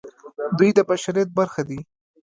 دوی د بشریت برخه دي.